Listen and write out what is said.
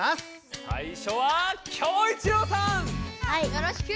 ・よろしく！